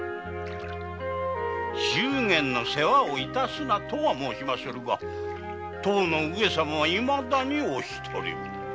祝言の世話を致すなとは申しませぬが上様はいまだにお独り。